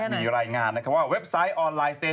มีรายงานว่า